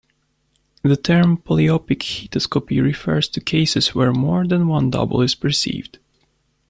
The term polyopic heautoscopy refers to cases where more than one double is perceived.